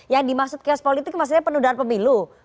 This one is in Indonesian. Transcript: yang dimaksud chaos politik maksudnya penundaan pemilu